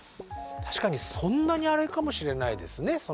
確かにそんなにあれかもしれないですね。